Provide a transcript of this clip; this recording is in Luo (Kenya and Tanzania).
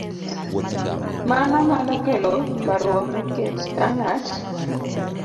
Mano nyalo kelo ywaruok nikech ka ng'at